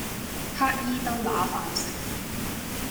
乞兒兜揦飯食